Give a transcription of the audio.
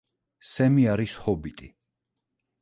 სემი არის ჰობიტი.